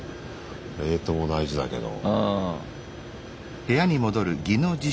レートも大事だけど。